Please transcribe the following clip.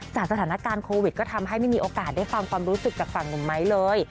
สถานการณ์โควิดก็ทำให้ไม่มีโอกาสได้ฟังความรู้สึกจากฝั่งหนุ่มไม้เลย